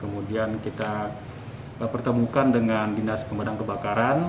kemudian kita pertemukan dengan dinas pemadam kebakaran